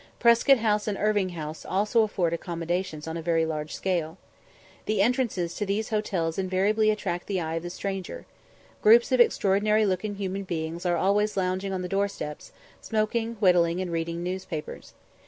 Prescott House and Irving House also afford accommodation on a very large scale. The entrances to these hotels invariably attract the eye of the stranger. Groups of extraordinary looking human beings are always lounging on the door steps, smoking, whittling, and reading newspapers.